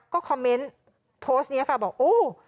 ก็คอมเมนต์โพสต์นี้ค่ะบอกโอ้